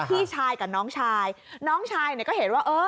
พี่ชายกับน้องชายน้องชายเนี่ยก็เห็นว่าเออ